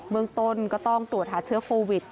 เมืองต้นก็ต้องตรวจหาเชื้อโควิด